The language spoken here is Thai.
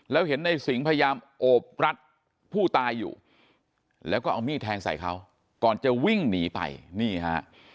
แล้วเห็นในสิงห์พยายามโอบรัดผู้ตายอยู่แล้วก็เอามีดแทงใส่เขาก่อนจะวิ่งหนีไปนี่ฮะ